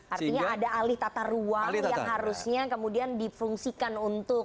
artinya ada alih tata ruang yang harusnya kemudian difungsikan untuk